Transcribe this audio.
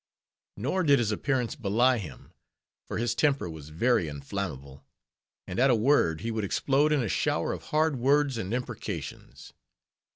Nor did his appearance belie him; for his temper was very inflammable; and at a word, he would explode in a shower of hard words and imprecations.